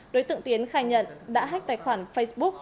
đối tượng tiến khai nhận đã hách tài khoản facebook